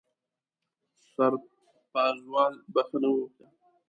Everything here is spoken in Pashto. سرپازوال بښنه وغوښته.